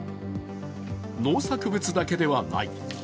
農作物だけではない。